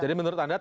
jadi menurut anda